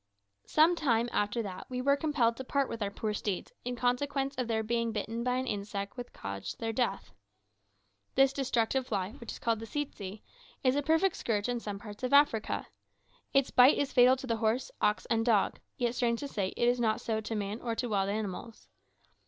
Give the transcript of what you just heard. Some time after that we were compelled to part with our poor steeds, in consequence of their being bitten by an insect which caused their death. This destructive fly, which is called tsetse, is a perfect scourge in some parts of Africa. Its bite is fatal to the horse, ox, and dog, yet, strange to say, it is not so to man or to wild animals.